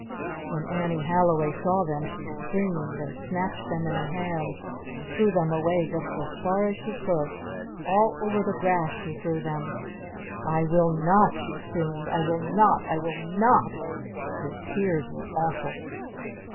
When Annie Halliway saw them she screamed! And snatched them in her hand! And threw them away just as far as she could! All over the grass she threw them! "I will not!" she screamed. "I will not! I will not!" Her tears were awful.